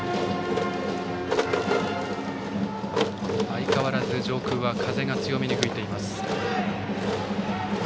相変わらず上空は風が強めに吹いています。